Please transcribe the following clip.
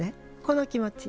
この気持ち。